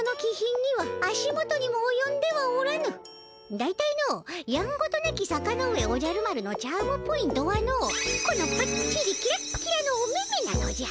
だいたいのやんごとなき坂ノ上おじゃる丸のチャームポイントはのこのパッチリキラッキラのお目々なのじゃ。